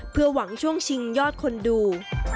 เพื่อหวังช่วงชิงยอดคนดู